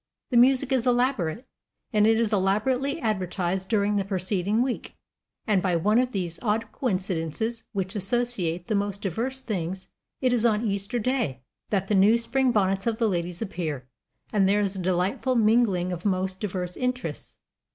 The music is elaborate, and it is elaborately advertised during the preceding week, and, by one of those odd coincidences which associate the most diverse things, it is on Easter Day that the new spring bonnets of the ladies appear, and there is a delightful mingling of most diverse interests.